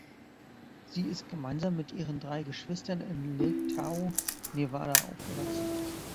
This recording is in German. Sie ist gemeinsam mit ihren drei Geschwistern in Lake Tahoe, Nevada aufgewachsen.